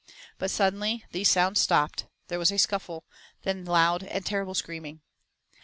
But suddenly these sounds stopped, there was a scuffle, then loud and terrible screaming.